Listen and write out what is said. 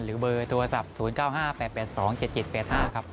เบอร์โทรศัพท์๐๙๕๘๘๒๗๗๘๕ครับ